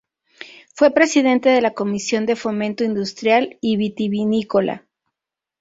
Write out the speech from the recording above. Fue presidente de la Comisión de Fomento Industrial y Vitivinícola.